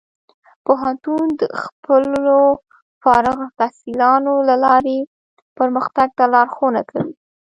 پوهنتون د خپلو فارغ التحصیلانو له لارې پرمختګ ته لارښوونه کوي.